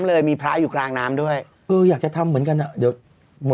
เออพี่ภัยเนอะดีไปดูนางหน่อยเนอะนะฮะซึ่งคนที่ชอบ